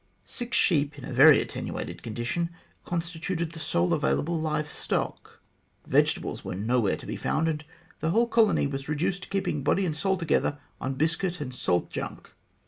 Six sheep in a very attenuated condition constituted the sole available live stock; vegetables were nowhere to be found, and the whole colony was reduced to keeping body and soul together on biscuit and salt junk.